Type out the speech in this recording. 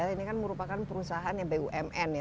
ini kan merupakan perusahaan yang bumn ya